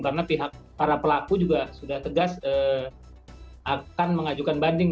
karena pihak para pelaku juga sudah tegas akan mengajukan banding